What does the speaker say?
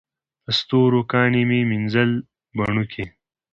د ستورو کاڼي مې مینځل بڼوکي